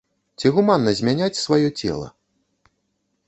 Ці гуманна змяняць сваё цела?